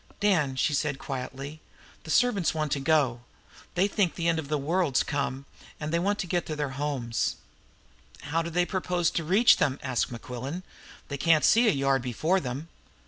"Dan," she said quietly, "the servants want to go. They think the end of the world's come, and they want to get to their own homes." "How do they propose to reach them?" asked Mequillen. "They can't see a yard before them."